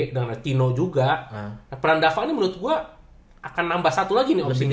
dengan tino juga peran dava ini menurut gue akan nambah satu lagi nih